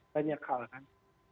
banyak hal kan